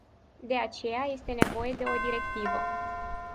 De aceea, este nevoie de o directivă.